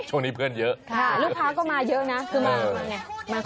ช่วงนี้เพื่อนเยอะลูกค้าก็มาเยอะนะคือมาไง